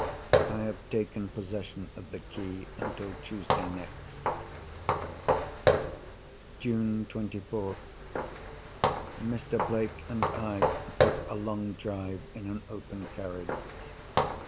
I have taken possession of the key until Tuesday next. June 24th.—Mr. Blake and I took a long drive in an open carriage.